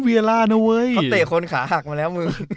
เค้าเตะคนขาหักมาแล้ว